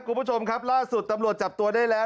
คุณผู้ชมครับล่าสุดตำรวจจับตัวได้แล้ว